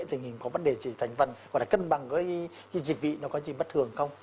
thì có vấn đề chỉ thành phần hoặc là cân bằng cái dịch vị nó có gì bất thường không